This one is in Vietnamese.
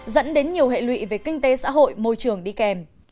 dẫn đến nhiều hệ lụy về kinh tế xã hội môi trường đi kèm